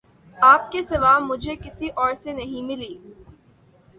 آپ کے سوا مجھے کسی اور سے نہیں ملی